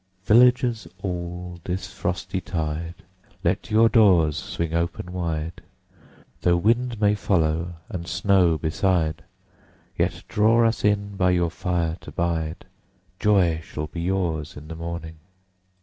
CAROL Villagers all, this frosty tide, Let your doors swing open wide, Though wind may follow, and snow beside, Yet draw us in by your fire to bide; Joy shall be yours in the morning!